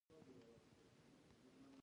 د کاغذ دستمال تولیدیږي